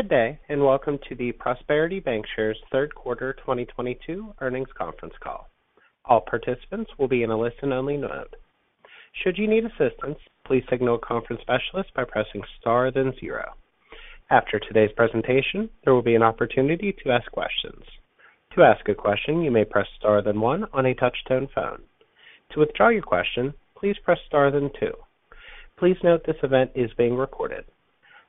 Good day, and welcome to the Prosperity Bancshares Q3 2022 earnings conference call. All participants will be in a listen-only mode. Should you need assistance, please signal a conference specialist by pressing Star then zero. After today's presentation, there will be an opportunity to ask questions. To ask a question, you may press Star then one on a touch-tone phone. To withdraw your question, please press Star then two. Please note this event is being recorded.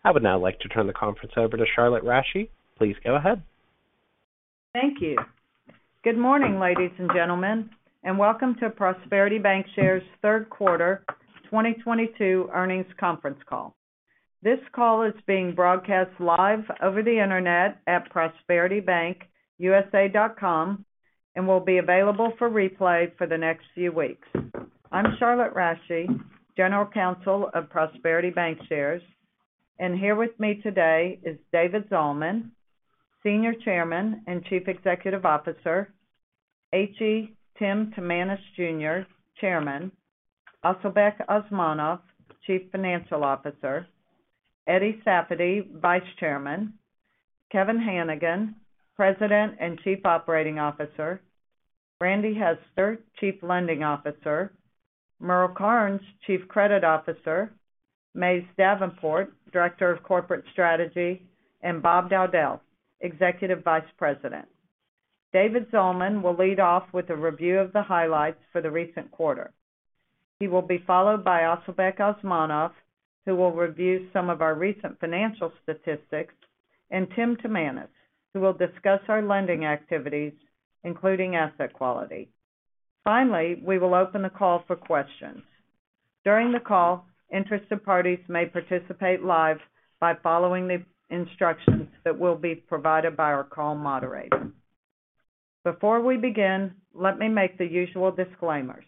I would now like to turn the conference over to Charlotte Rasche. Please go ahead. Thank you. Good morning, ladies and gentlemen, and welcome to Prosperity Bancshares Q3 2022 earnings conference call. This call is being broadcast live over the internet at prosperitybankusa.com and will be available for replay for the next few weeks. I'm Charlotte Rasche, General Counsel of Prosperity Bancshares, and here with me today is David Zalman, Senior Chairman and Chief Executive Officer, H.E. Tim Timanus, Jr., Chairman, Asylbek Osmonov, Chief Financial Officer, Eddie Safady, Vice Chairman, Kevin Hanigan, President and Chief Operating Officer, Randy Hester, Chief Lending Officer, Merle Karnes, Chief Credit Officer, Mays Davenport, Director of Corporate Strategy, and Bob Dowdell, Executive Vice President. David Zalman will lead off with a review of the highlights for the recent quarter. He will be followed by Asylbek Osmonov, who will review some of our recent financial statistics, and Tim Timanus, who will discuss our lending activities, including asset quality. Finally, we will open the call for questions. During the call, interested parties may participate live by following the instructions that will be provided by our call moderator. Before we begin, let me make the usual disclaimers.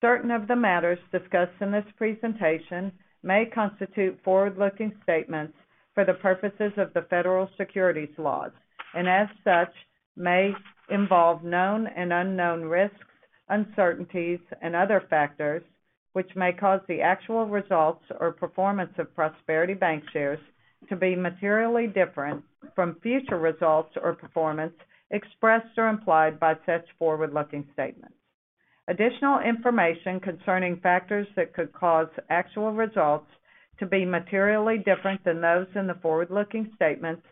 Certain of the matters discussed in this presentation may constitute forward-looking statements for the purposes of the federal securities laws and, as such, may involve known and unknown risks, uncertainties, and other factors which may cause the actual results or performance of Prosperity Bancshares to be materially different from future results or performance expressed or implied by such forward-looking statements. Additional information concerning factors that could cause actual results to be materially different than those in the forward-looking statements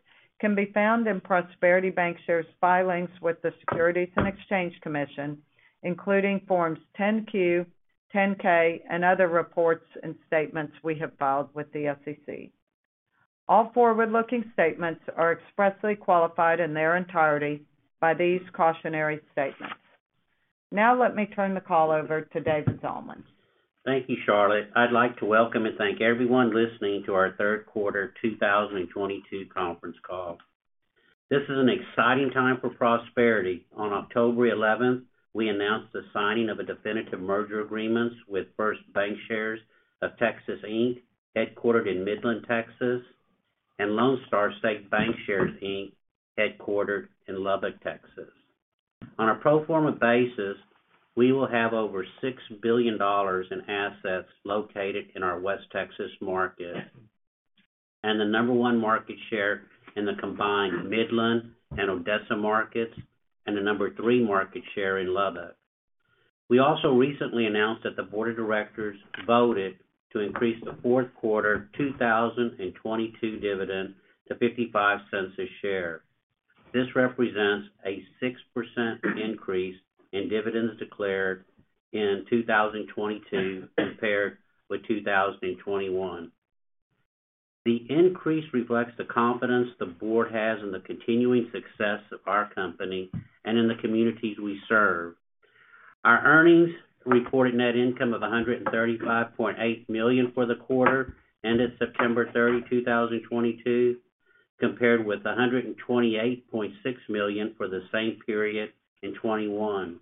can be found in Prosperity Bancshares filings with the Securities and Exchange Commission, including Forms 10-Q, 10-K, and other reports and statements we have filed with the SEC. All forward-looking statements are expressly qualified in their entirety by these cautionary statements. Now let me turn the call over to David Zalman. Thank you, Charlotte. I'd like to welcome and thank everyone listening to our Q3 2022 conference call. This is an exciting time for Prosperity. On 11 October, we announced the signing of a definitive merger agreements with First Bancshares of Texas, Inc., headquartered in Midland, Texas, and Lone Star State Bancshares, Inc., headquartered in Lubbock, Texas. On a pro forma basis, we will have over $6 billion in assets located in our West Texas market, and the number one market share in the combined Midland and Odessa markets, and the number three market share in Lubbock. We also recently announced that the board of directors voted to increase the Q4 2022 dividend to $0.55 a share. This represents a 6% increase in dividends declared in 2022 compared with 2021. The increase reflects the confidence the board has in the continuing success of our company and in the communities we serve. Our earnings reported net income of $135.8 million for the quarter ended 30 September, 2022, compared with $128.6 million for the same period in 2021.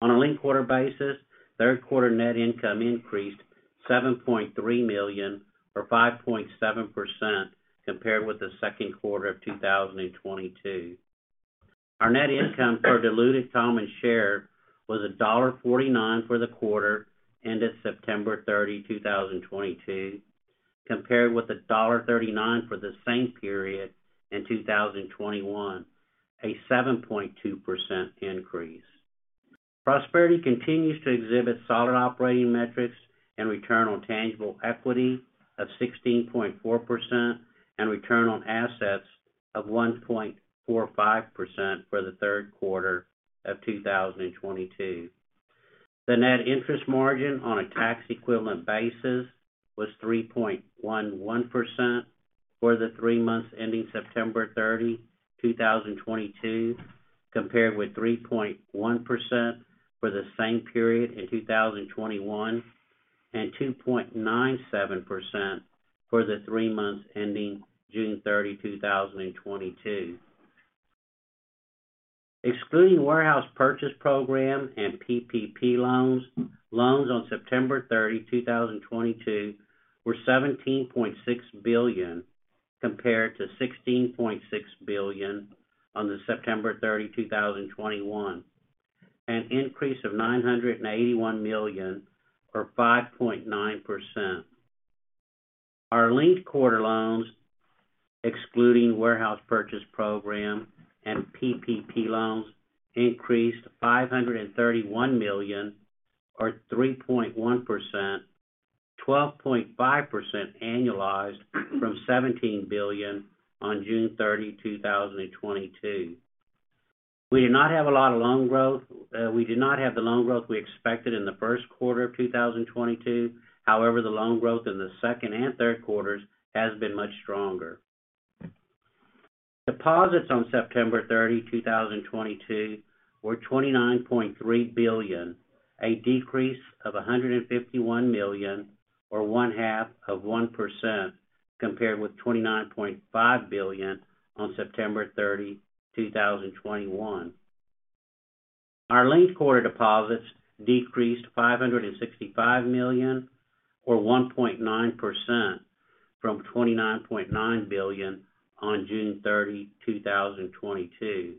On a linked quarter basis, Q3 net income increased $7.3 million or 5.7% compared with the Q2 of 2022. Our net income per diluted common share was $1.49 for the quarter ended 30 September, 2022, compared with $1.39 for the same period in 2021, a 7.2% increase. Prosperity continues to exhibit solid operating metrics and return on tangible equity of 16.4% and return on assets of 1.45% for the Q3 of 2022. The net interest margin on a tax equivalent basis was 3.11% for the three months ending 30 September, 2022, compared with 3.1% for the same period in 2021 and 2.97% for the three months ending 30 June, 2022. Excluding warehouse purchase program and PPP loans on 30 September, 2022 were $17.6 billion compared to $16.6 billion on 30 September, 2021. An increase of $981 million, or 5.9%. Our linked quarter loans, excluding warehouse purchase program and PPP loans, increased $531 million, or 3.1%, 12.5% annualized from $17 billion on 30 June, 2022. We do not have a lot of loan growth. We do not have the loan growth we expected in the Q1 of 2022. However, the loan growth in the second and Q3s has been much stronger. Deposits on 30 September, 2022 were $29.3 billion, a decrease of $151 million or one half of 1% compared with $29.5 billion on 30 September, 2021. Our linked quarter deposits decreased $565 million, or 1.9% from $29.9 billion on 30 June, 2022.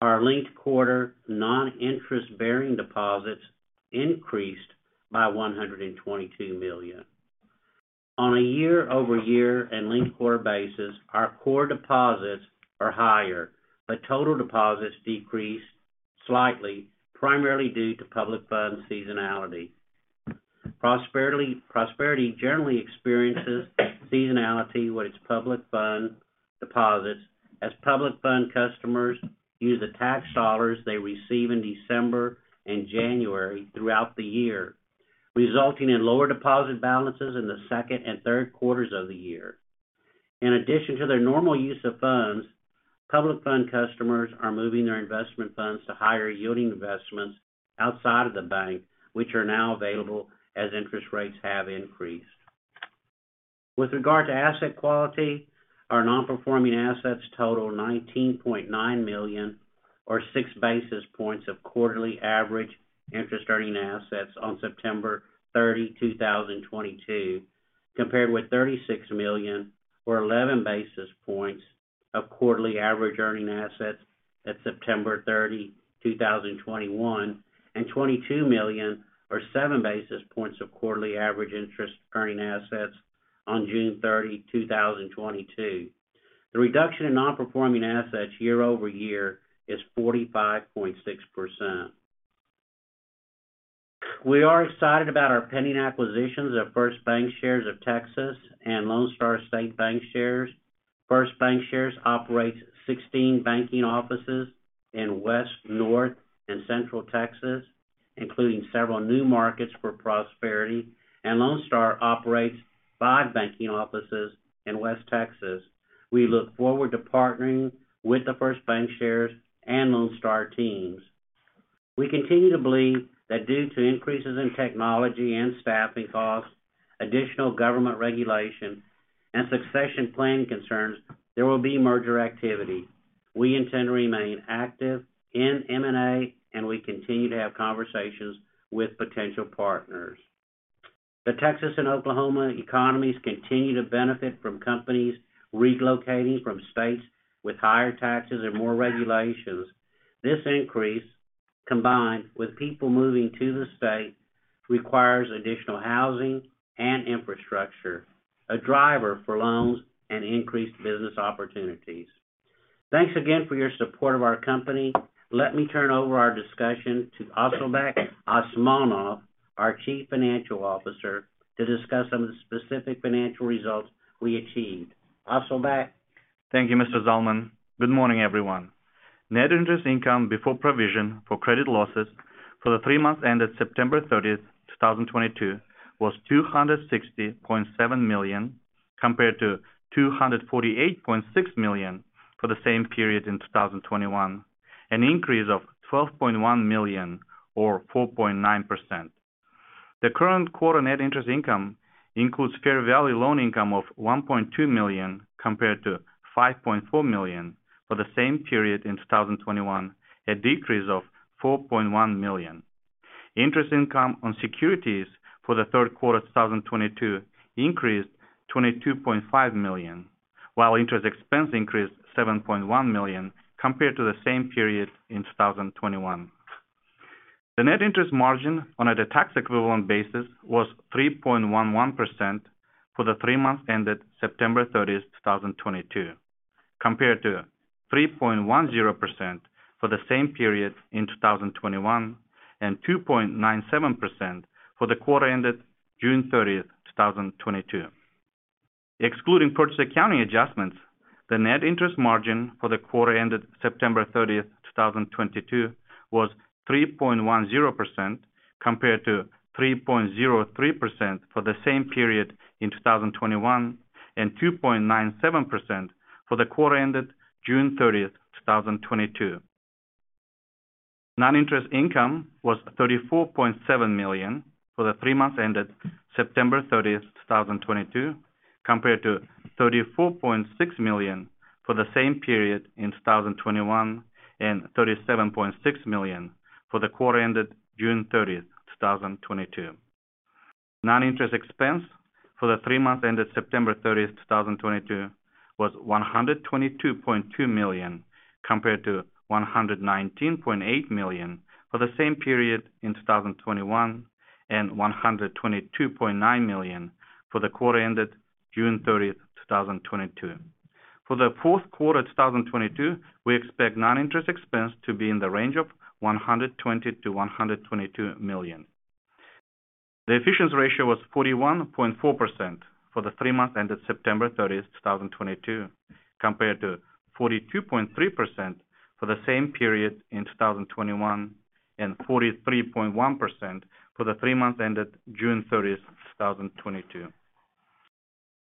Our linked quarter non-interest-bearing deposits increased by $122 million. On a year-over-year and linked quarter basis, our core deposits are higher, but total deposits decreased slightly, primarily due to public fund seasonality. Prosperity generally experiences seasonality with its public fund deposits as public fund customers use the tax dollars they receive in December and January throughout the year, resulting in lower deposits in the second and Q3 of the year. In addition to their normal use of funds, public fund customers are moving their investment funds to higher yielding investments outside of the bank, which are now available as interest rates have increased. With regard to asset quality, our non-performing assets total $19.9 million, or 6 basis points of quarterly average interest earning assets on 30 September, 2022, compared with $36 million, or 11 basis points of quarterly average earning assets at 30 September, 2021, and $22 million or 7 basis points of quarterly average interest earning assets on 30 June, 2022. The reduction in non-performing assets year-over-year is 45.6%. We are excited about our pending acquisitions at First Bancshares of Texas, Inc. and Lone Star State Bancshares, Inc. First Bancshares of Texas, Inc. operates 16 banking offices in West, North, and Central Texas, including several new markets for Prosperity, and Lone Star operates five banking offices in West Texas. We look forward to partnering with the First Bancshares of Texas, Inc. and Lone Star teams. We continue to believe that due to increases in technology and staffing costs, additional government regulation and succession plan concerns, there will be merger activity. We intend to remain active in M&A, and we continue to have conversations with potential partners. The Texas and Oklahoma economies continue to benefit from companies relocating from states with higher taxes and more regulations. This increase, combined with people moving to the state, requires additional housing and infrastructure, a driver for loans and increased business opportunities. Thanks again for your support of our company. Let me turn over our discussion to Asylbek Osmonov, our Chief Financial Officer, to discuss some of the specific financial results we achieved. Asylbek? Thank you, Mr. Zalman. Good morning, everyone. Net interest income before provision for credit losses for the three months ended 30 September, 2022 was $260.7 million, compared to $248.6 million for the same period in 2021, an increase of $12.1 million or 4.9%. The current quarter net interest income includes fair value loan income of $1.2 million compared to $5.4 million for the same period in 2021, a decrease of $4.1 million. Interest income on securities for the Q3 of 2022 increased $22.5 million, while interest expense increased $7.1 million compared to the same period in 2021. The net interest margin on a tax equivalent basis was 3.11% for the three months ended 30 September, 2022, compared to 3.10% for the same period in 2021, and 2.97% for the quarter ended 30 June, 2022. Excluding purchase accounting adjustments, the net interest margin for the quarter ended 30 September, 2022 was 3.10% compared to 3.03% for the same period in 2021, and 2.97% for the quarter ended 30 June, 2022. Non-interest income was $34.7 million for the three months ended 30 September, 2022, compared to $34.6 million for the same period in 2021, and $37.6 million for the quarter ended 30 June, 2022. Non-interest expense for the three months ended 30 September, 2022 was $122.2 million compared to $119.8 million for the same period in 2021 and $122.9 million for the quarter ended 30 June, 2022. For the Q4 2022, we expect non-interest expense to be in the range of $120 million to $122 million. The efficiency ratio was 41.4% for the three months ended 30 September, 2022 compared to 42.3% for the same period in 2021 and 43.1% for the three months ended 30 June, 2022.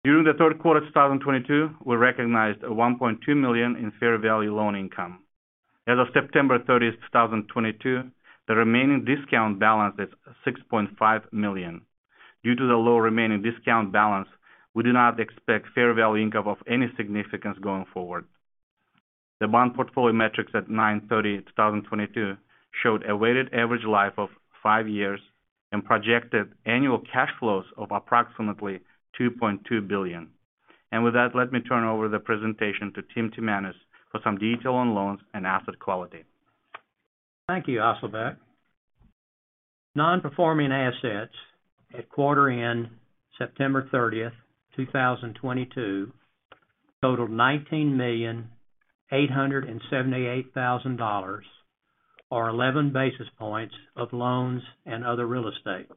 During the Q3 of 2022, we recognized $1.2 million in fair value loan income. As of 30 September, 2022, the remaining discount balance is $6.5 million. Due to the low remaining discount balance, we do not expect fair value income of any significance going forward. The bond portfolio metrics at 30 September, 2022 showed a weighted average life of five years and projected annual cash flows of approximately $2.2 billion. With that, let me turn over the presentation to Tim Timanus for some detail on loans and asset quality. Thank you, Asylbek Osmonov. Non-performing assets at quarter end 30 September, 2022 totaled $19.878 million or 11 basis points of loans and other real estate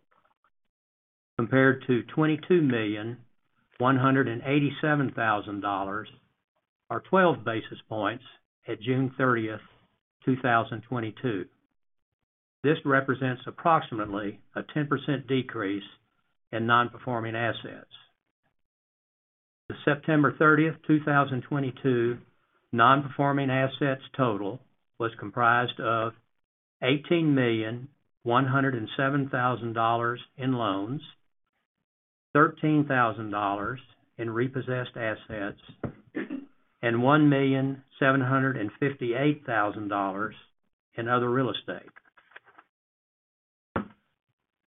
compared to $22.187 million or 12 basis points at 30 June, 2022. This represents approximately a 10% decrease in non-performing assets. The September thirtieth, 2022 non-performing assets total was comprised of $18.107 million in loans, $13,000 in repossessed assets, and $1.758 million in other real estate.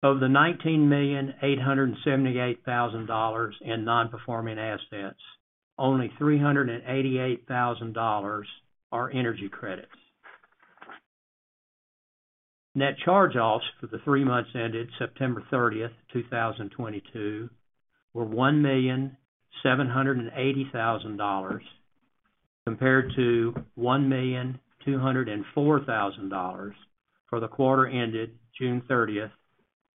Of the $19.878 million in non-performing assets, only $388,000 are energy credits. Net charge-offs for the three months ended 30 September, 2022 were $1.78 million compared to $1.204 million for the quarter ended June thirtieth,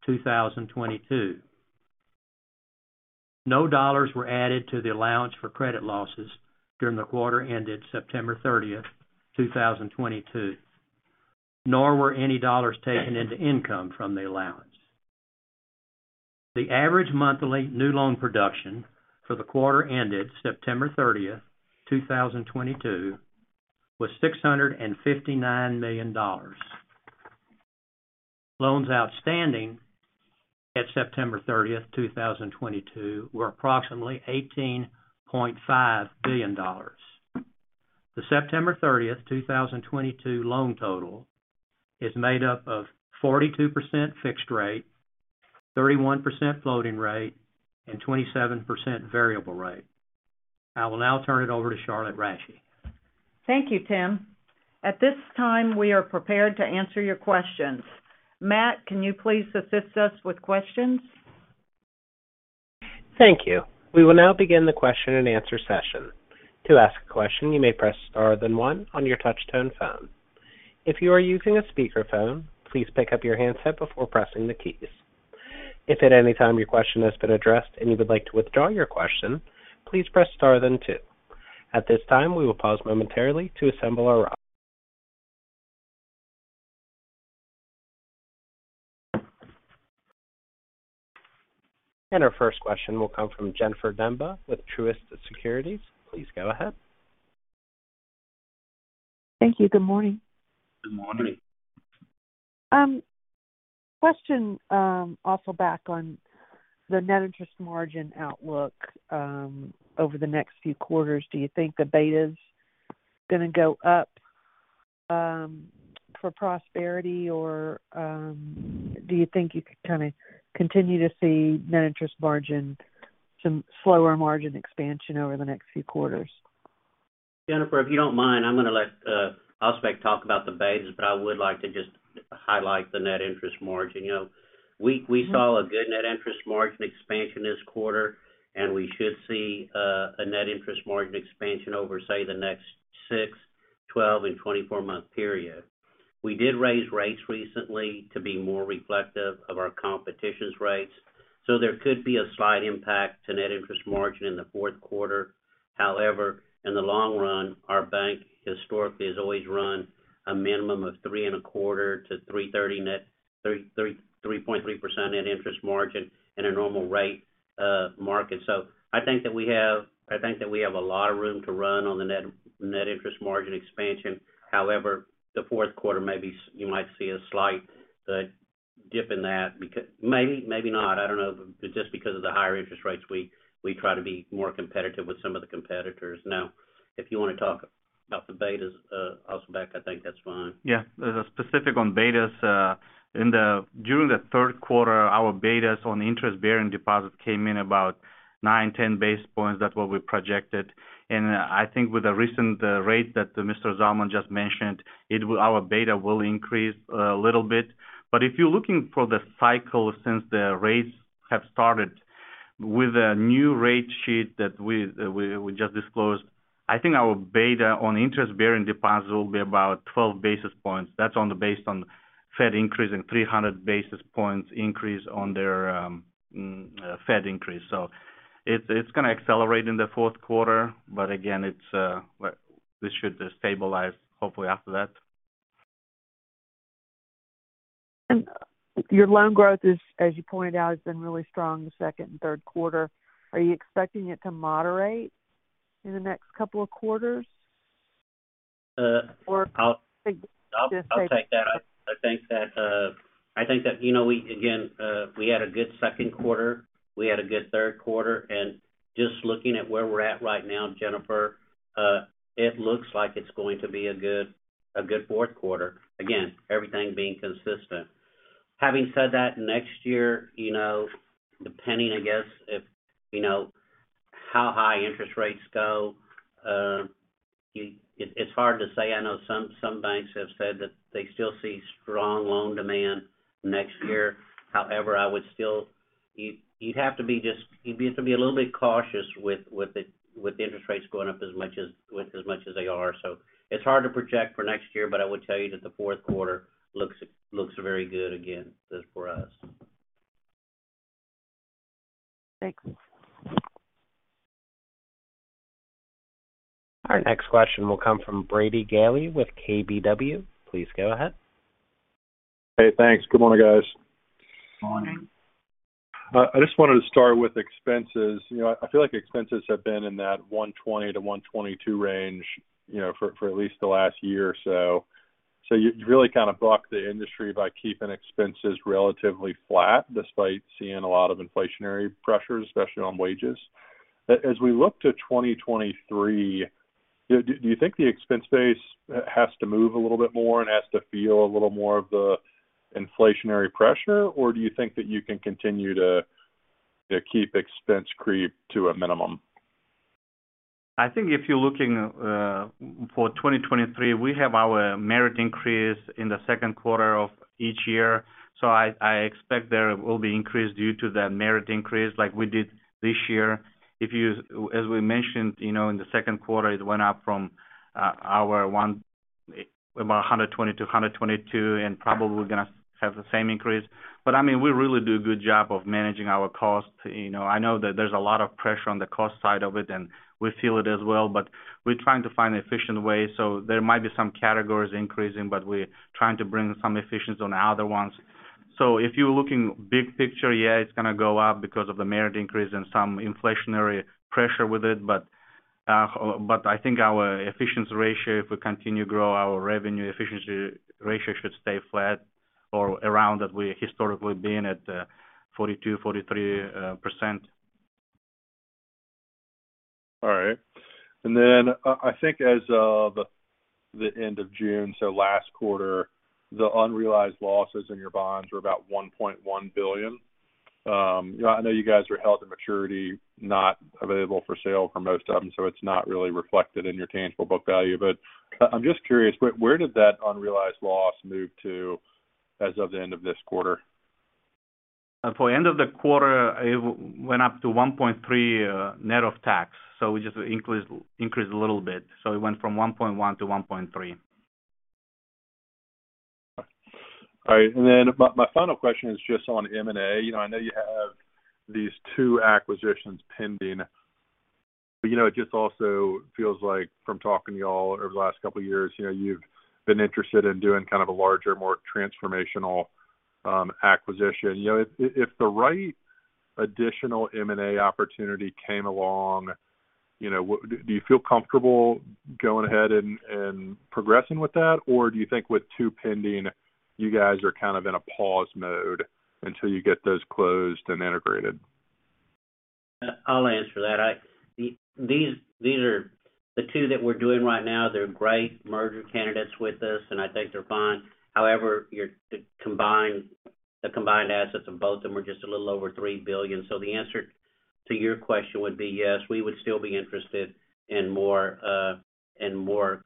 2022. No dollars were added to the allowance for credit losses during the quarter ended 30 September, 2022, nor were any dollars taken into income from the allowance. The average monthly new loan production for the quarter ended 30 September, 2022 was $659 million. Loans outstanding at 30 September, 2022 were approximately $18.5 billion. The 30 September, 2022 loan total is made up of 42% fixed rate, 31% floating rate, and 27% variable rate. I will now turn it over to Charlotte Rasche. Thank you, Tim. At this time, we are prepared to answer your questions. Matt, can you please assist us with questions? Thank you. We will now begin the question and answer session. To ask a question, you may press star then one on your touch tone phone. If you are using a speakerphone, please pick up your handset before pressing the keys. If at any time your question has been addressed and you would like to withdraw your question, please press star then two. At this time, we will pause momentarily. Our first question will come from Jennifer Demba with Truist Securities. Please go ahead. Thank you. Good morning. Good morning. Question, also back on the net interest margin outlook, over the next few quarters. Do you think the beta's gonna go up, for Prosperity? Or, do you think you could kind of continue to see net interest margin, some slower margin expansion over the next few quarters? Jennifer, if you don't mind, I'm gonna let Asylbek talk about the betas, but I would like to just highlight the net interest margin. You know, we saw a good net interest margin expansion this quarter, and we should see a net interest margin expansion over, say, the next six, 12, and 24-month period. We did raise rates recently to be more reflective of our competition's rates, so there could be a slight impact to net interest margin in the Q4. However, in the long run, our bank historically has always run a minimum of 3.25% to 3.30%, 3.3% net interest margin in a normal rate market. So I think that we have a lot of room to run on the net interest margin expansion. However, the Q4, maybe you might see a slight, Maybe, maybe not, I don't know. Just because of the higher interest rates, we try to be more competitive with some of the competitors. Now, if you wanna talk about the betas, Asylbek Osmonov, I think that's fine. The specifics on betas during the Q3, our betas on interest-bearing deposits came in about 9 basis points to 10 basis points. That's what we projected. I think with the recent rate that Mr. Zalman just mentioned, our beta will increase a little bit. If you're looking for the cycle since the rates have started, with the new rate sheet that we just disclosed, I think our beta on interest-bearing deposits will be about 12 basis points. That's based on Fed increase in 300 basis points increase on their Fed increase. It's gonna accelerate in the Q4, but again, it's we should stabilize hopefully after that. Your loan growth is, as you pointed out, has been really strong the second and Q3. Are you expecting it to moderate in the next couple of quarters? I'll take that. I think that, you know, we had a good Q2, we had a good Q3, and just looking at where we're at right now, Jennifer, it looks like it's going to be a good Q4. Again, everything being consistent. Having said that, next year, you know, depending, I guess, if, you know, how high interest rates go, it's hard to say. I know some banks have said that they still see strong loan demand next year. However, you'd have to be a little bit cautious with the interest rates going up as much as they are. It's hard to project for next year, but I would tell you that the Q4 looks very good again just for us. Thanks. Our next question will come from Brady Gailey with KBW. Please go ahead. Hey, thanks. Good morning, guys. Morning. I just wanted to start with expenses. You know, I feel like expenses have been in that $120 to $122 range, you know, for at least the last year or so. You've really kind of bucked the industry by keeping expenses relatively flat, despite seeing a lot of inflationary pressures, especially on wages. As we look to 2023, do you think the expense base has to move a little bit more and has to feel a little more of the inflationary pressure? Or do you think that you can continue to keep expense creep to a minimum? I think if you're looking for 2023, we have our merit increase in the Q2 of each year. I expect there will be increase due to that merit increase like we did this year. As we mentioned, you know, in the Q2, it went up from our one about $120 to $122, and probably we're gonna have the same increase. But I mean, we really do a good job of managing our costs. You know, I know that there's a lot of pressure on the cost side of it, and we feel it as well, but we're trying to find efficient ways. There might be some categories increasing, but we're trying to bring some efficiency on other ones. If you're looking big picture, yeah, it's gonna go up because of the merit increase and some inflationary pressure with it. I think our efficiency ratio, if we continue to grow our revenue efficiency ratio should stay flat or around that we historically been at, 42% to 43%. All right. I think as of the end of June, so last quarter, the unrealized losses in your bonds were about $1.1 billion. You know, I know you guys are held to maturity, not available for sale for most of them, so it's not really reflected in your tangible book value. I'm just curious, where did that unrealized loss move to as of the end of this quarter? For end of the quarter, it went up to 1.3%, net of tax. We just increased a little bit. It went from 1.1% to 1.3%. All right. My final question is just on M&A. You know, I know you have these two acquisitions pending, but, you know, it just also feels like from talking to y'all over the last couple of years, you know, you've been interested in doing kind of a larger, more transformational, acquisition. You know, if the right additional M&A opportunity came along, you know, do you feel comfortable going ahead and progressing with that? Or do you think with two pending, you guys are kind of in a pause mode until you get those closed and integrated? I'll answer that. These are the two that we're doing right now. They're great merger candidates with us, and I think they're fine. However, the combined assets of both of them are just a little over $3 billion. The answer to your question would be yes, we would still be interested in more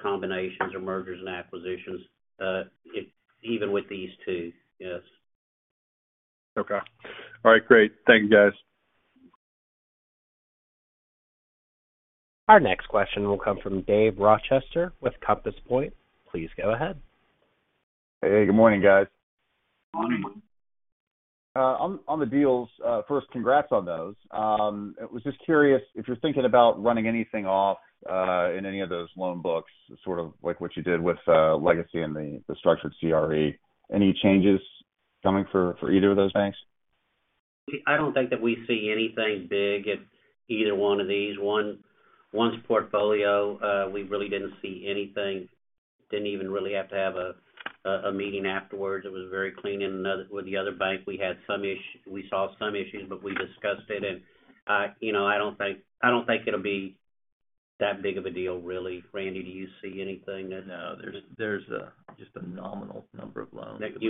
combinations or mergers and acquisitions, if even with these two, yes. Okay. All right, great. Thank you, guys. Our next question will come from David Rochester with Compass Point. Please go ahead. Hey, good morning, guys. Morning. On the deals, first, congrats on those. I was just curious if you're thinking about running anything off in any of those loan books, sort of like what you did with Legacy and the structured CRE. Any changes coming for either of those banks? I don't think that we see anything big at either one of these. One, one's portfolio, we really didn't see anything, didn't even really have to have a meeting afterwards. It was very clean. Another with the other bank, we saw some issues, but we discussed it. You know, I don't think it'll be that big of a deal really. Randy, do you see anything that. No. There's just a nominal number of loans.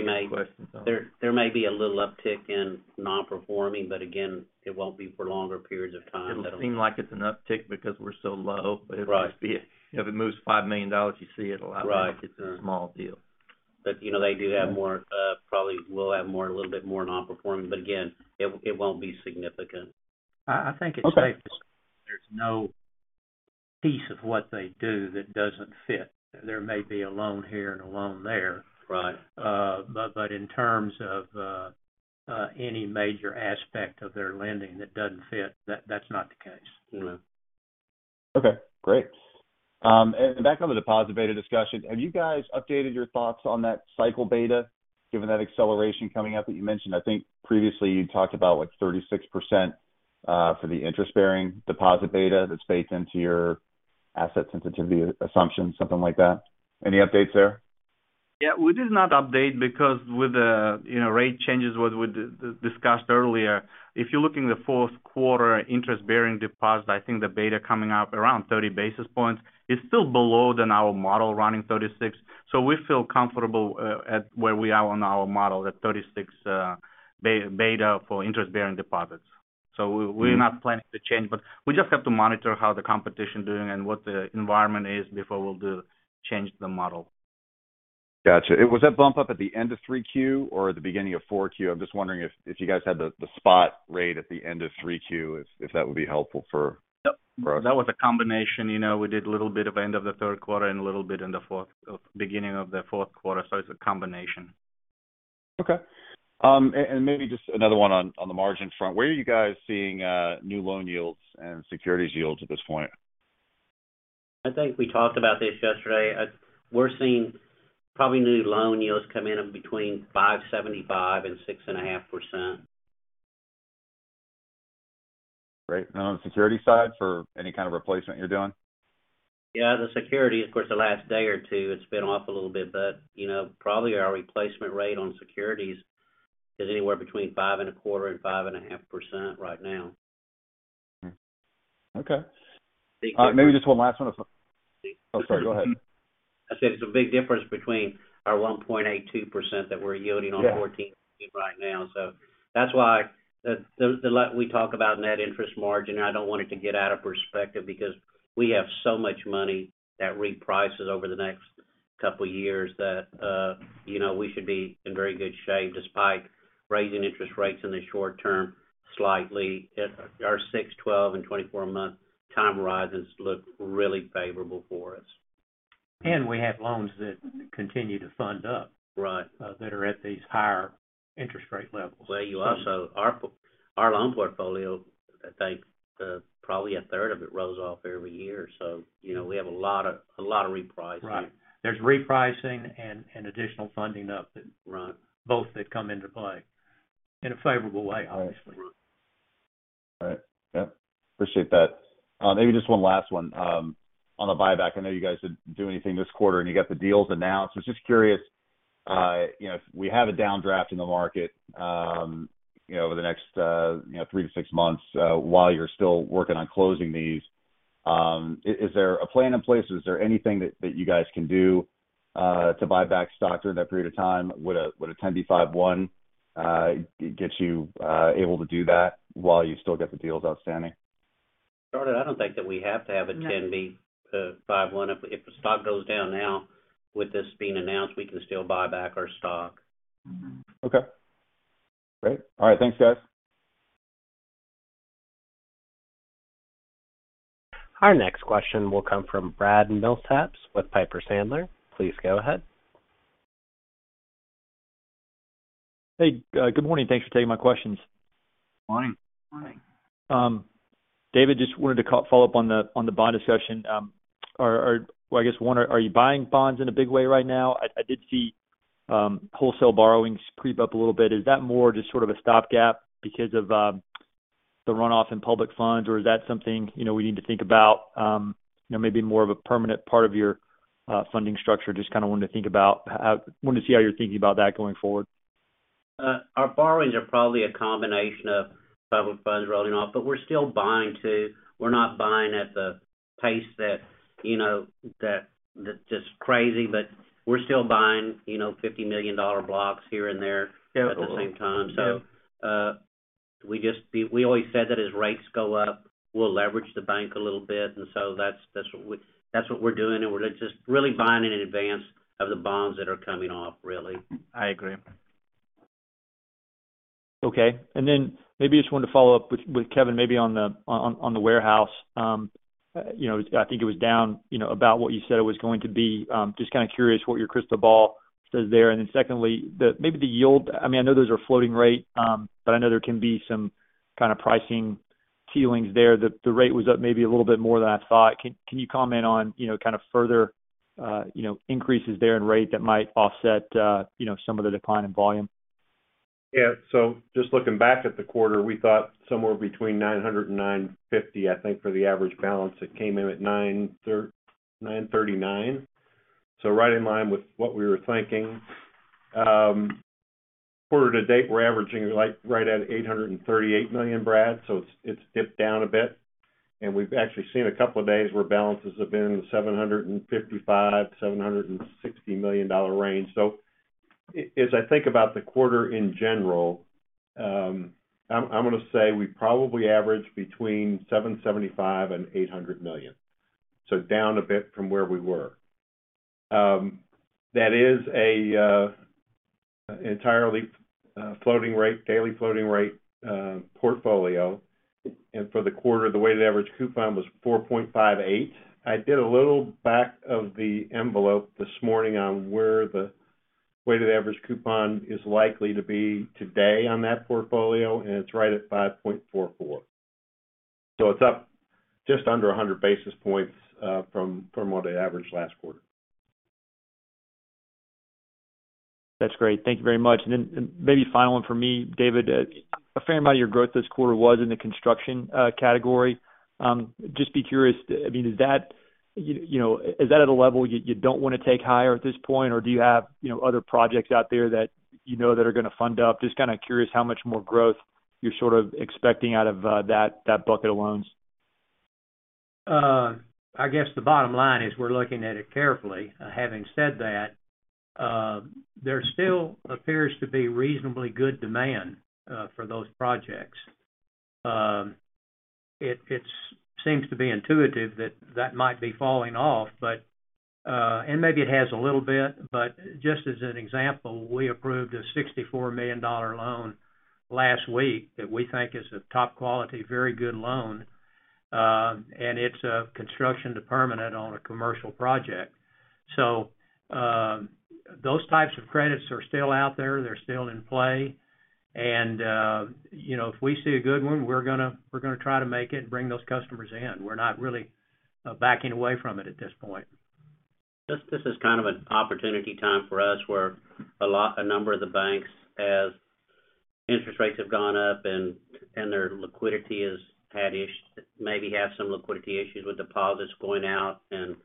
There may be a little uptick in non-performing, but again, it won't be for longer periods of time. It'll seem like it's an uptick because we're so low. Right. If it moves $5 million, you see it a lot. Right It's a small deal. You know, they do have more, probably will have more, a little bit more non-performing, but again, it won't be significant. I think it's safe to say there's no piece of what they do that doesn't fit. There may be a loan here and a loan there. Right. In terms of any major aspect of their lending that doesn't fit, that's not the case. No. Okay, great. Back on the deposit beta discussion, have you guys updated your thoughts on that cycle beta given that acceleration coming up that you mentioned? I think previously you talked about, like, 36%, for the interest-bearing deposit beta that's baked into your asset sensitivity assumption, something like that. Any updates there? Yeah, we did not update because with the, you know, rate changes what we discussed earlier, if you're looking at the Q4 interest-bearing deposit, I think the beta coming up around 30 basis points is still below our model running 36. So we feel comfortable at where we are on our model at 36 beta for interest-bearing deposits. So we're not planning to change, but we just have to monitor how the competition is doing and what the environment is before we change the model. Got you. Was that bump up at the end of Q3 or at the beginning of Q4? I'm just wondering if you guys had the spot rate at the end of Q3, if that would be helpful for- Yep for us. That was a combination. You know, we did a little bit of end of the Q3 and a little bit in the beginning of the Q4. It's a combination. Okay. Maybe just another one on the margin front. Where are you guys seeing new loan yields and securities yields at this point? I think we talked about this yesterday. We're seeing probably new loan yields come in between 5.75% and 6.5%. Great. On the security side for any kind of replacement you're doing? Yeah, the securities, of course, the last day or two, it's been off a little bit. You know, probably our replacement rate on securities is anywhere between 5.25% and 5.5% right now. Okay. All right. Maybe just one last one. Oh, sorry. Go ahead. I said it's a big difference between our 1.82% that we're yielding on. Yeah 14 right now. That's why we talk about net interest margin. I don't want it to get out of perspective because we have so much money that reprices over the next couple of years that, you know, we should be in very good shape despite raising interest rates in the short term slightly. Our six, 12 and 24 month time horizons look really favorable for us. We have loans that continue to fund up. Right that are at these higher interest rate levels. Well, you also our loan portfolio, I think, probably a third of it rolls off every year. You know, we have a lot of repricing. Right. There's repricing and additional funding up that. Right Both that come into play in a favorable way, obviously. Right. All right. Yep. Appreciate that. Maybe just one last one on the buyback. I know you guys didn't do anything this quarter, and you got the deals announced. I was just curious if we have a downdraft in the market over the next three to six months while you're still working on closing these. Is there a plan in place? Is there anything that you guys can do to buy back stock during that period of time? Would a 10b5-1 get you able to do that while you still got the deals outstanding? Charlotte, I don't think that we have to have a 10b5-1. If the stock goes down now with this being announced, we can still buy back our stock. Okay. Great. All right. Thanks, guys. Our next question will come from Brad Milsaps with Piper Sandler. Please go ahead. Hey, good morning. Thanks for taking my questions. Morning. Morning. David, just wanted to follow up on the bond discussion. Well, I guess one, are you buying bonds in a big way right now? I did see wholesale borrowings creep up a little bit. Is that more just sort of a stopgap because of the runoff in public funds, or is that something, you know, we need to think about, you know, maybe more of a permanent part of your funding structure? Just kinda wanted to see how you're thinking about that going forward. Our borrowings are probably a combination of public funds rolling off, but we're still buying too. We're not buying at the pace that, you know, that's just crazy, but we're still buying, you know, $50 million blocks here and there at the same Yeah. We always said that as rates go up, we'll leverage the bank a little bit, and so that's what we're doing, and we're just really buying in advance of the bonds that are coming off, really. I agree. Okay. Then maybe just wanted to follow up with Kevin, maybe on the warehouse. You know, I think it was down, you know, about what you said it was going to be. Just kinda curious what your crystal ball says there. Secondly, maybe the yield. I mean, I know those are floating rate, but I know there can be some kinda pricing ceilings there. The rate was up maybe a little bit more than I thought. Can you comment on, you know, kind of further, you know, increases there in rate that might offset, you know, some of the decline in volume? Yeah. Just looking back at the quarter, we thought somewhere between $900 and $950, I think, for the average balance. It came in at $939. Right in line with what we were thinking. Quarter to date, we're averaging like right at $838 million, Brad, so it's dipped down a bit. We've actually seen a couple of days where balances have been $755 to $760 million range. As I think about the quarter in general, I'm gonna say we probably average between $775 and $800 million. Down a bit from where we were. That is an entirely daily floating rate portfolio. For the quarter, the weighted average coupon was 4.58%. I did a little back of the envelope this morning on where the weighted average coupon is likely to be today on that portfolio, and it's right at 5.44. It's up just under 100 basis points from what I averaged last quarter. That's great. Thank you very much. Maybe final one for me, David. A fair amount of your growth this quarter was in the construction category. I'm just curious, I mean, is that at a level you don't wanna take it higher at this point? Or do you have, you know, other projects out there that you know that are gonna fund up? Just kind of curious how much more growth you're sort of expecting out of that bucket of loans. I guess the bottom line is we're looking at it carefully. Having said that, there still appears to be reasonably good demand for those projects. It seems to be intuitive that that might be falling off, and maybe it has a little bit. Just as an example, we approved a $64 million loan last week that we think is a top quality, very good loan, and it's a construction-to-permanent on a commercial project. Those types of credits are still out there, they're still in play. You know, if we see a good one, we're gonna try to make it and bring those customers in. We're not really backing away from it at this point. This is kind of an opportunity time for us, where a number of the banks, as interest rates have gone up and their liquidity maybe have some liquidity issues with deposits going out and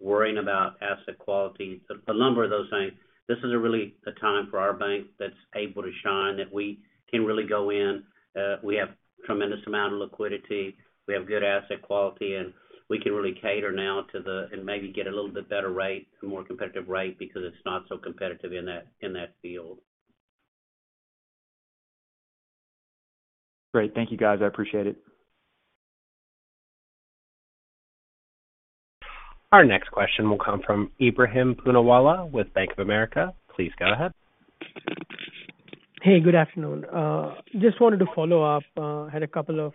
worrying about asset quality. A number of those things, this is really a time for our bank that's able to shine, that we can really go in. We have tremendous amount of liquidity. We have good asset quality, and we can really cater now and maybe get a little bit better rate, a more competitive rate because it's not so competitive in that field. Great. Thank you, guys. I appreciate it. Our next question will come from Ebrahim Poonawala with Bank of America. Please go ahead. Hey, good afternoon. Just wanted to follow up, had a couple of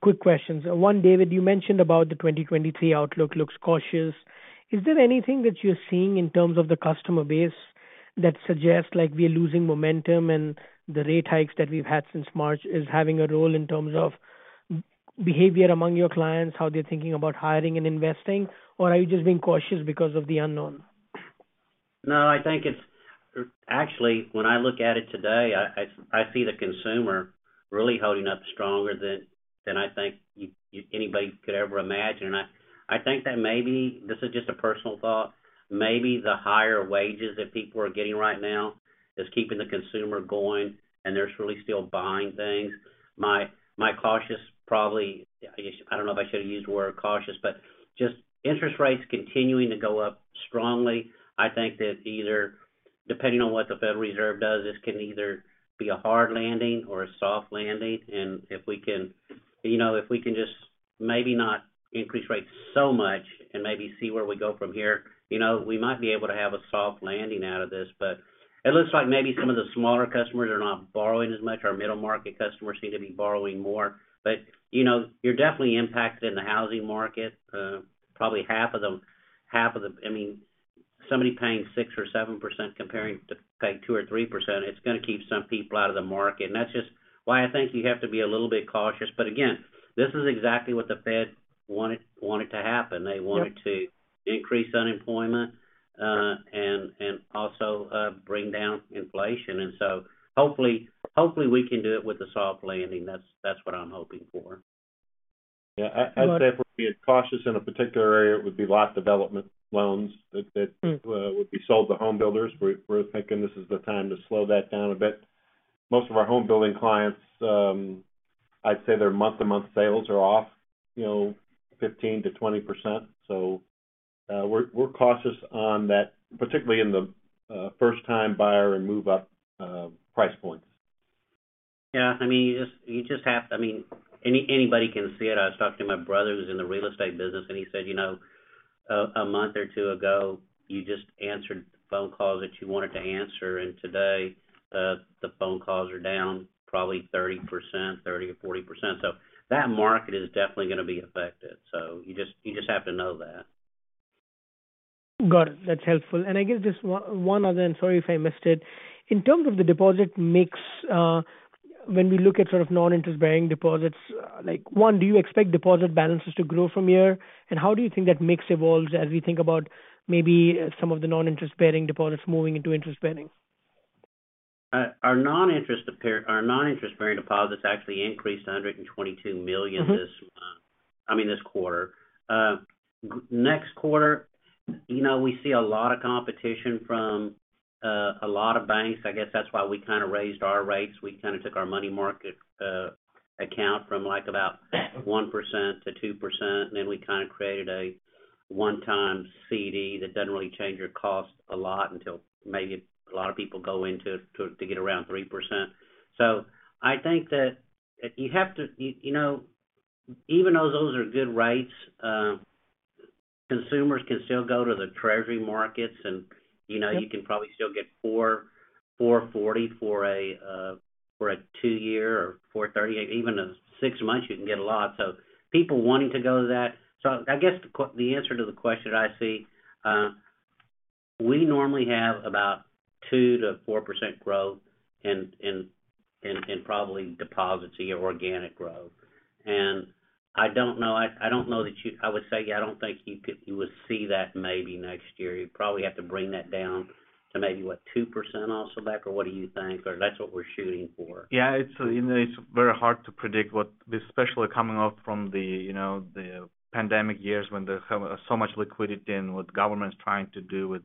quick questions. One, David, you mentioned about the 2023 outlook looks cautious. Is there anything that you're seeing in terms of the customer base that suggests, like, we're losing momentum and the rate hikes that we've had since March is having a role in terms of behavior among your clients, how they're thinking about hiring and investing? Are you just being cautious because of the unknown? No, I think it's actually, when I look at it today, I see the consumer really holding up stronger than I think anybody could ever imagine. I think that maybe, this is just a personal thought, maybe the higher wages that people are getting right now is keeping the consumer going, and there's really still buying things. My cautious probably, I guess, I don't know if I should use the word cautious, but just interest rates continuing to go up strongly. I think that either, depending on what the Federal Reserve does, this can either be a hard landing or a soft landing. If we can, you know, if we can just maybe not increase rates so much and maybe see where we go from here, you know, we might be able to have a soft landing out of this. It looks like maybe some of the smaller customers are not borrowing as much. Our middle-market customers seem to be borrowing more. You know, you're definitely impacted in the housing market. Probably half of them. I mean, somebody paying 6% or 7% comparing to paying 2% or 3%, it's gonna keep some people out of the market. That's just why I think you have to be a little bit cautious. Again, this is exactly what the Fed wanted to happen. They wanted to increase unemployment, and also bring down inflation. Hopefully we can do it with a soft landing. That's what I'm hoping for. I'd say if we're being cautious in a particular area, it would be lot development loans that would be sold to home builders. We're thinking this is the time to slow that down a bit. Most of our home building clients, I'd say their month-to-month sales are off, you know, 15% to 20%. We're cautious on that, particularly in the first time buyer and move-up price points. Yeah. I mean, you just have. I mean, anybody can see it. I was talking to my brother who's in the real estate business, and he said, you know, a month or two ago, you just answered phone calls that you wanted to answer, and today, the phone calls are down probably 30%, 30% to 40%. That market is definitely gonna be affected. You just have to know that. Got it. That's helpful. I guess just one other, and sorry if I missed it. In terms of the deposit mix, when we look at sort of non-interest-bearing deposits, like, one, do you expect deposit balances to grow from here? How do you think that mix evolves as we think about maybe some of the non-interest-bearing deposits moving into interest-bearing? Our non-interest-bearing deposits actually increased $122 million. This month, I mean, this quarter. Next quarter, you know, we see a lot of competition from a lot of banks. I guess that's why we kind of raised our rates. We kind of took our money market account from, like, about 1% to 2%. We kind of created a 1x CD that doesn't really change your cost a lot until maybe a lot of people go into it to get around 3%. I think that you have to. You know, even though those are good rates, consumers can still go to the Treasury markets and, you know, you can probably still get 4.40 for a two-year or 4.38. Even for six months, you can get a lot. People wanting to go to that. I guess the answer to the question I see, we normally have about 2% to 4% growth in probably deposits, the organic growth. I don't know that I would say, I don't think you would see that maybe next year. You'd probably have to bring that down to maybe, what, 2% or so back? What do you think? That's what we're shooting for. Yeah. It's, you know, it's very hard to predict what especially coming off from the, you know, the pandemic years when there's so much liquidity and what government's trying to do with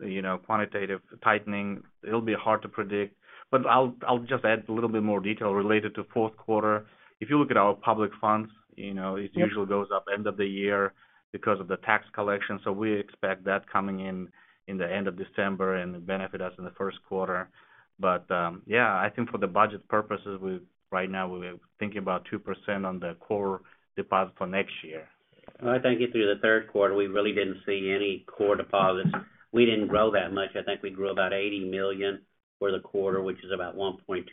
you know, quantitative tightening. It'll be hard to predict. I'll just add a little bit more detail related to Q4. If you look at our public funds, you know, it usually goes up end of the year because of the tax collection. We expect that coming in the end of December and benefit us in the Q1. Yeah, I think for the budget purposes, right now we're thinking about 2% on the core deposit for next year. I think through the Q3, we really didn't see any core deposits. We didn't grow that much. I think we grew about $80 million for the quarter, which is about 1.2%.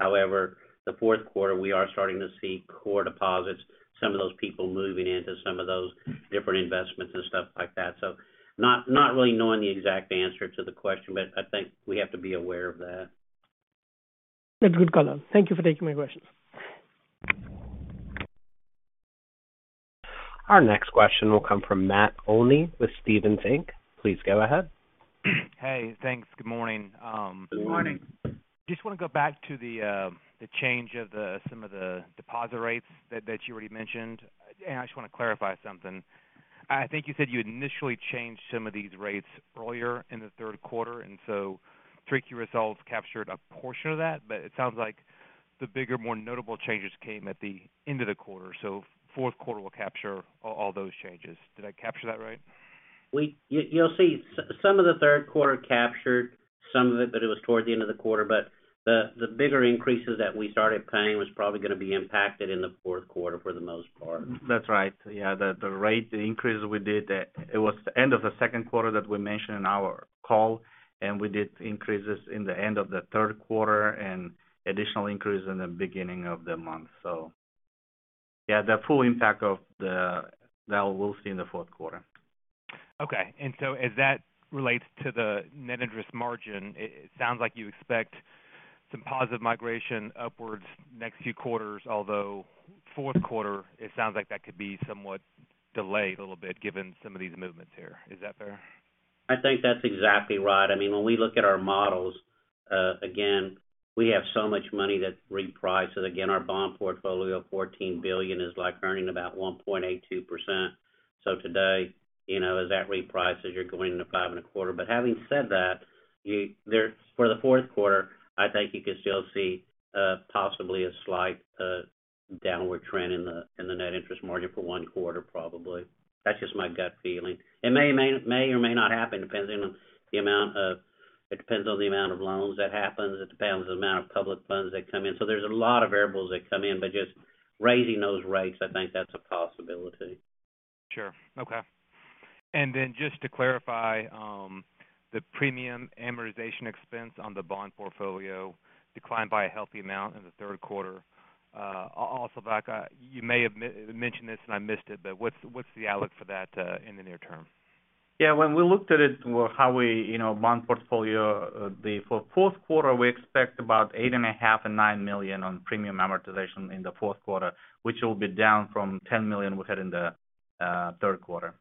However, the Q4, we are starting to see core deposits, some of those people moving into some of those different investments and stuff like that. Not really knowing the exact answer to the question, but I think we have to be aware of that. That's good color. Thank you for taking my questions. Our next question will come from Matt Olney with Stephens Inc. Please go ahead. Hey, thanks. Good morning. Good morning. Just wanna go back to the change of some of the deposit rates that you already mentioned. I just wanna clarify something. I think you said you initially changed some of these rates earlier in the Q3, and so Q3 results captured a portion of that. It sounds like the bigger, more notable changes came at the end of the quarter. Q4 will capture all those changes. Did I capture that right? You'll see some of the Q3 captured some of it, but it was towards the end of the quarter. The bigger increases that we started paying was probably gonna be impacted in the Q4 for the most part. That's right. Yeah. The rate increase we did, it was the end of the Q2 that we mentioned in our call, and we did increases in the end of the Q3 and additional increase in the beginning of the month. So yeah, the full impact of that we'll see in the Q4. Okay. As that relates to the net interest margin, it sounds like you expect some positive migration upwards next few quarters, although Q4 it sounds like that could be somewhat delayed a little bit given some of these movements here. Is that fair? I think that's exactly right. I mean, when we look at our models, again, we have so much money that reprices. Again, our bond portfolio, $14 billion, is like earning about 1.82%. Today, you know, as that reprices, you're going to 5.25%. Having said that, for the Q4, I think you could still see possibly a slight downward trend in the net interest margin for Q1, probably. That's just my gut feeling. It may or may not happen. It depends on the amount of loans that happens. It depends on the amount of public funds that come in. There's a lot of variables that come in, but just raising those rates, I think that's a possibility. Sure. Okay. Just to clarify, the premium amortization expense on the bond portfolio declined by a healthy amount in the Q3. Also, Asylbek, you may have mentioned this and I missed it, but what's the outlook for that in the near term? Yeah, when we looked at it, how we, you know, bond portfolio for Q4, we expect about $8.5 million to $9 million on premium amortization in the Q4, which will be down from $10 million we had in the Q3.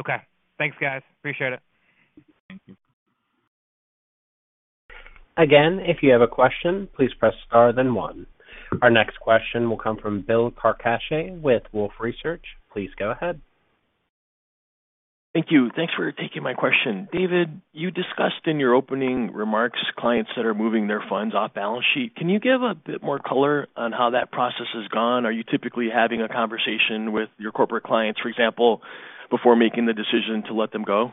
Okay. Thanks, guys. Appreciate it. Thank you. Again, if you have a question, please press Star then One. Our next question will come from Bill Carcache with Wolfe Research. Please go ahead. Thank you. Thanks for taking my question. David, you discussed in your opening remarks clients that are moving their funds off balance sheet. Can you give a bit more color on how that process has gone? Are you typically having a conversation with your corporate clients, for example, before making the decision to let them go?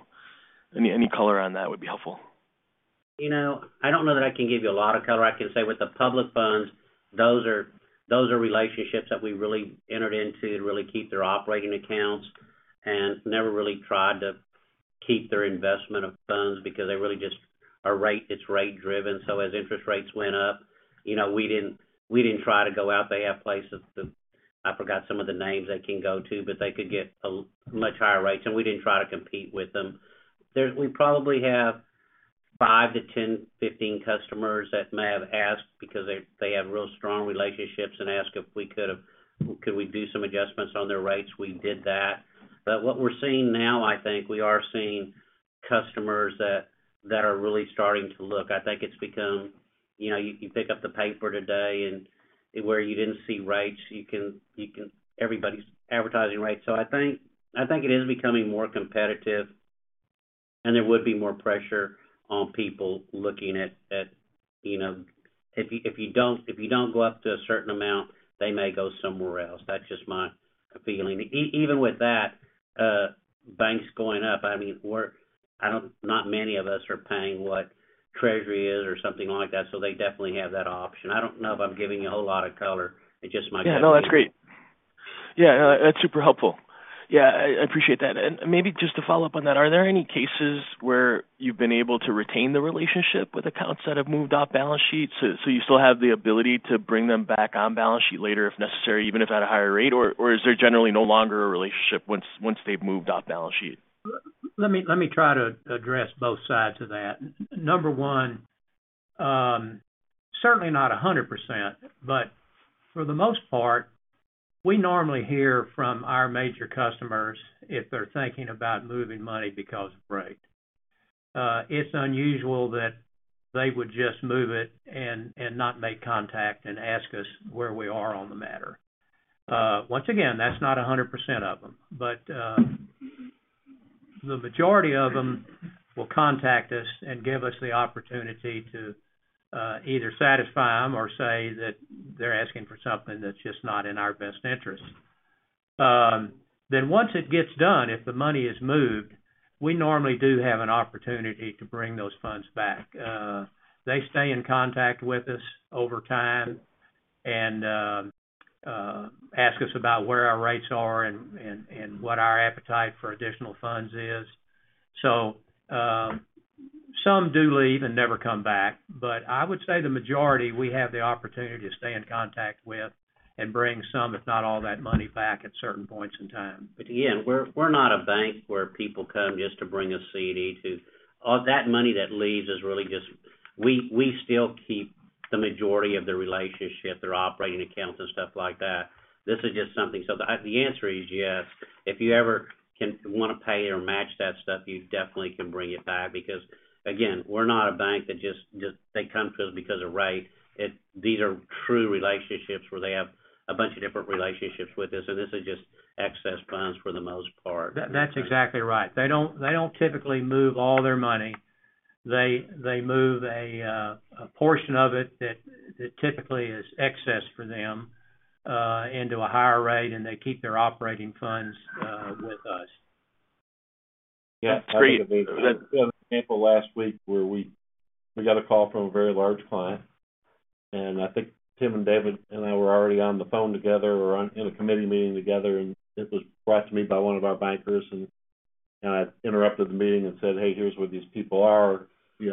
Any color on that would be helpful. You know, I don't know that I can give you a lot of color. I can say with the public funds, those are relationships that we really entered into to really keep their operating accounts and never really tried to keep their investment of funds because they really just are rate driven. As interest rates went up, you know, we didn't try to go out. They have places, I forgot some of the names they can go to, but they could get a lot higher rates, and we didn't try to compete with them. We probably have five to 10, 15 customers that may have asked because they have real strong relationships and asked if we could do some adjustments on their rates. We did that. What we're seeing now, I think, we are seeing customers that are really starting to look. I think it's become, you know, you can pick up the paper today and where you didn't see rates, you can. Everybody's advertising rates. I think it is becoming more competitive and there would be more pressure on people looking at, you know, if you don't go up to a certain amount, they may go somewhere else. That's just my feeling. Even with that, banks going up, I mean, not many of us are paying what Treasury is or something like that, so they definitely have that option. I don't know if I'm giving you a whole lot of color. It's just my. Yeah, no, that's great. Yeah, no, that's super helpful. Yeah, I appreciate that. Maybe just to follow up on that, are there any cases where you've been able to retain the relationship with accounts that have moved off balance sheets, so you still have the ability to bring them back on balance sheet later if necessary, even if at a higher rate? Or is there generally no longer a relationship once they've moved off balance sheet? Let me try to address both sides of that. Number one, certainly not 100%, but for the most part, we normally hear from our major customers if they're thinking about moving money because of rate. It's unusual that they would just move it and not make contact and ask us where we are on the matter. Once again, that's not 100% of them, but the majority of them will contact us and give us the opportunity to either satisfy them or say that they're asking for something that's just not in our best interest. Once it gets done, if the money is moved, we normally do have an opportunity to bring those funds back. They stay in contact with us over time and ask us about where our rates are and what our appetite for additional funds is. Some do leave and never come back, but I would say the majority we have the opportunity to stay in contact with and bring some, if not all, that money back at certain points in time. Again, we're not a bank where people come just to bring a CD to. All that money that leaves is really just we still keep the majority of the relationship, their operating accounts and stuff like that. This is just something. The answer is yes. If you ever wanna pay or match that stuff, you definitely can bring it back because, again, we're not a bank that just they come to us because of rate. It these are true relationships where they have a bunch of different relationships with us, so this is just excess funds for the most part. That's exactly right. They don't typically move all their money. They move a portion of it that typically is excess for them into a higher rate, and they keep their operating funds with us. That's great. Yeah. We had an example last week where we got a call from a very large client, and I think Tim and David and I were already on the phone together. We were on in a committee meeting together, and it was brought to me by one of our bankers, and I interrupted the meeting and said, "Hey, here's where these people are." You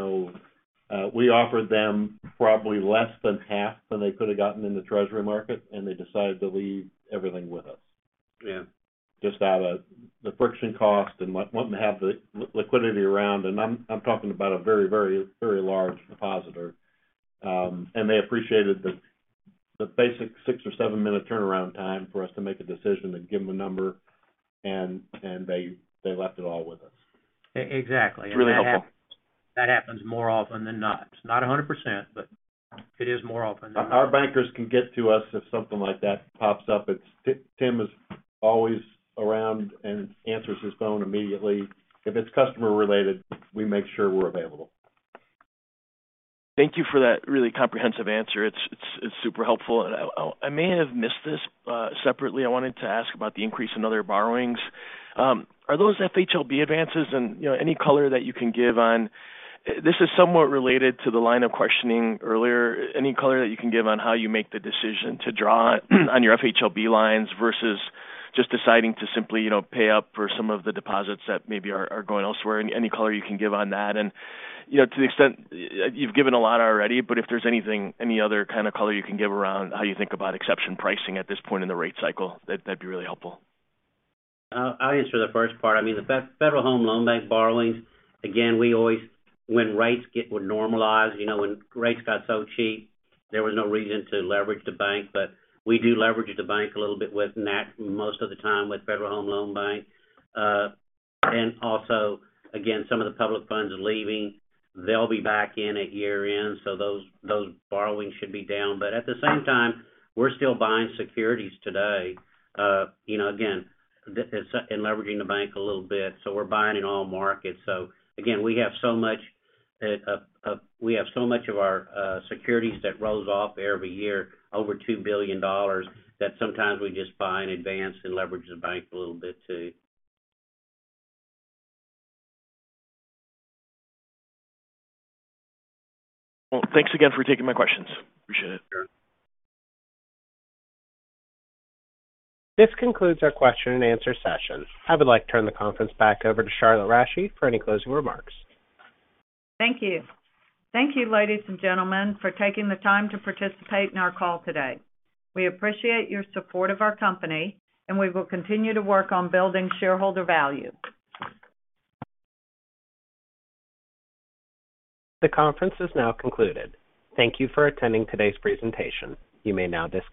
know, we offered them probably less than half than they could have gotten in the treasury market, and they decided to leave everything with us. Yeah. Just out of the friction cost and wanting to have the liquidity around. I'm talking about a very large depositor. They appreciated the basic six or seven minute turnaround time for us to make a decision and give them a number and they left it all with us. Exactly. It's really helpful. That happens more often than not. It's not 100%, but it is more often than not. Our bankers can get to us if something like that pops up. Tim is always around and answers his phone immediately. If it's customer related, we make sure we're available. Thank you for that really comprehensive answer. It's super helpful. I may have missed this. Separately, I wanted to ask about the increase in other borrowings. Are those FHLB advances? You know, any color that you can give. This is somewhat related to the line of questioning earlier. Any color that you can give on how you make the decision to draw on your FHLB lines versus just deciding to simply, you know, pay up for some of the deposits that maybe are going elsewhere. Any color you can give on that. You know, to the extent you've given a lot already, but if there's anything, any other kind of color you can give around how you think about exception pricing at this point in the rate cycle, that'd be really helpful. I'll answer the first part. I mean, the Federal Home Loan Bank borrowings, again, when rates were normalized, you know, when rates got so cheap, there was no reason to leverage the bank. We do leverage the bank a little bit with FHLB most of the time, with Federal Home Loan Bank. And also, again, some of the public funds are leaving. They'll be back in at year-end, so those borrowings should be down. At the same time, we're still buying securities today, you know, again, and leveraging the bank a little bit, so we're buying in all markets. Again, we have so much of our securities that rolls off every year, over $2 billion, that sometimes we just buy in advance and leverage the bank a little bit too. Well, thanks again for taking my questions. Appreciate it. Sure. This concludes our question and answer session. I would like to turn the conference back over to Charlotte Rasche for any closing remarks. Thank you. Thank you, ladies and gentlemen, for taking the time to participate in our call today. We appreciate your support of our company, and we will continue to work on building shareholder value. The conference is now concluded. Thank you for attending today's presentation. You may now disconnect.